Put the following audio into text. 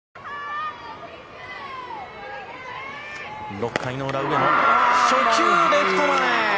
６回の裏、上野初球、レフト前！